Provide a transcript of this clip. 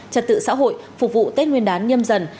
trật tự xã hội phục vụ tết nguyên đán nhâm dần